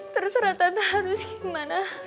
terserah tante harus gimana